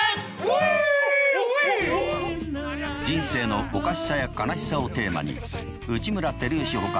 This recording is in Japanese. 人生のおかしさや悲しさをテーマに内村光良ほか